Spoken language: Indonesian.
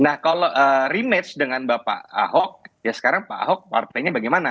nah kalau rematch dengan bapak ahok ya sekarang pak ahok partainya bagaimana